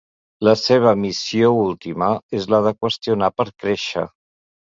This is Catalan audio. La seva missió última és la de qüestionar per créixer.